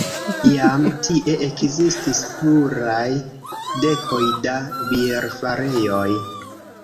Iam tie ekzistis pluraj dekoj da bierfarejoj.